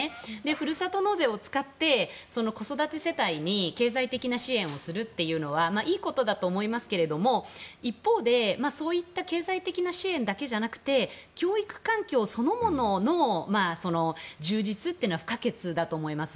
ふるさと納税を使って子育て世帯に経済的な支援をするというのはいいことだと思いますが一方でそういった経済的な支援だけじゃなくて教育環境そのものの充実というのは不可欠だと思います。